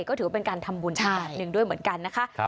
ก็ถือว่าเป็นการทำบุญอีกแบบหนึ่งด้วยเหมือนกันนะคะ